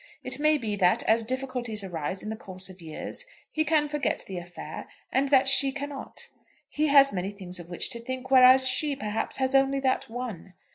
It may be that, as difficulties arise in the course of years, he can forget the affair, and that she cannot. He has many things of which to think; whereas she, perhaps, has only that one.